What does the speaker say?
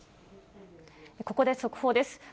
ここで速報です。